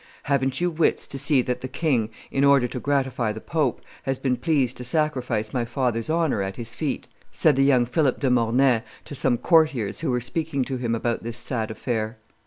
"Haven't you wits to see that the king, in order to gratify the pope, has been pleased to sacrifice my father's honor at his feet?" said young Philip de Mornay to some courtiers who were speaking to him about this sad affair.